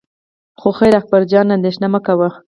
خو خیر اکبر جانه اندېښنه مه کوه.